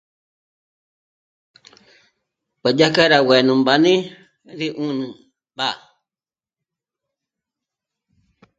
M'ájdyà k'á rá 'uě'e nú mbáne rí 'ùnü mbá